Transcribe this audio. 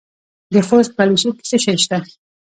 د خوست په علي شیر کې څه شی شته؟